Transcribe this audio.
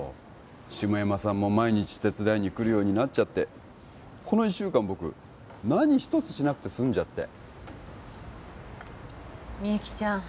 下山さんも毎日手伝いに来るようになっちゃってこの一週間僕何一つしなくてすんじゃってみゆきちゃん